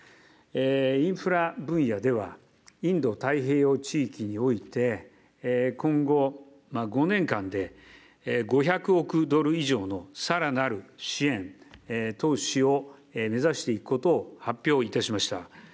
インフラ分野では、インド太平洋地域において、今後５年間で５００億ドル以上のさらなる支援・投資を目指していくことを発表いたしました。